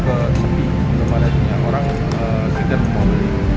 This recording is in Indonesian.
ke setiap indomaret yang orang sedang mau beli